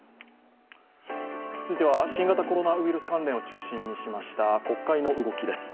続いては、新型コロナウイルス関連を中心にしました国会の動きです。